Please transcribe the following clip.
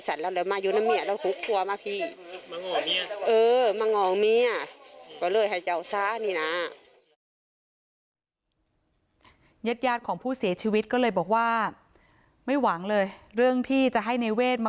แล้วเขาก็ยืนยันว่าคนในเวททำร้ายกันอย่างโหดเยี่ยมทารุณจนถึงขั้นเสียชีวิตตั้งสองศพเนี่ยค่ะ